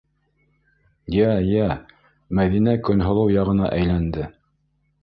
Йә, йә, - Мәҙинә Көнһылыу яғына әйләнде.